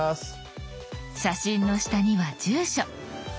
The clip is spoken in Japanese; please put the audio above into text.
写真の下には住所。